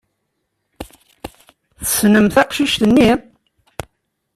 Tessnem taqcict-nni?